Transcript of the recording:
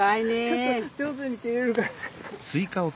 ちょっと上手に切れるかな。